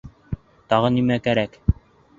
Тағы нимә кәрәк!